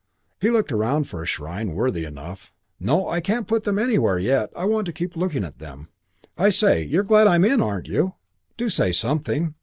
He looked around for a shrine worthy enough. "No, I can't put them anywhere yet. I want to keep looking at them. I say, you're glad I'm in, aren't you? Do say something."